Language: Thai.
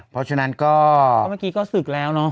เพราะฉะนั้นก็เมื่อกี้ก็ศึกแล้วเนอะ